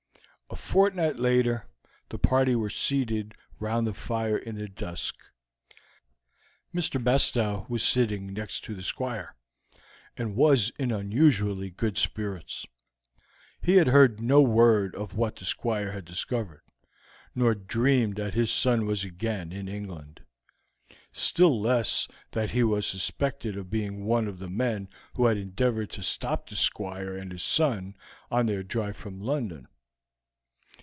A fortnight later the party were seated round the fire in the dusk. Mr. Bastow was sitting next to the Squire, and was in unusually good spirits. He had heard no word of what the Squire had discovered, nor dreamed that his son was again in England, still less that he was suspected of being one of the men who had endeavored to stop the Squire and his son on their drive from London.